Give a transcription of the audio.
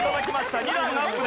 ２段アップです。